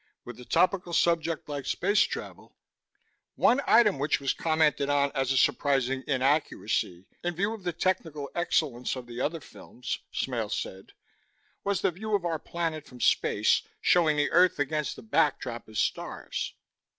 "With a topical subject like space travel " "One item which was commented on as a surprising inaccuracy, in view of the technical excellence of the other films," Smale said, "was the view of our planet from space, showing the earth against the backdrop of stars.